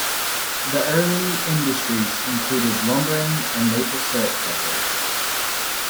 The early industries included lumbering and maple syrup preparation.